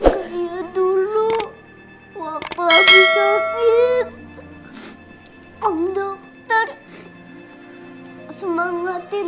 kayak dulu waktu abi sakit om dokter semangatin abi